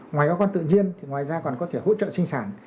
ngoài có con tự nhiên ngoài ra còn có thể hỗ trợ sinh sản